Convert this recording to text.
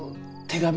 手紙？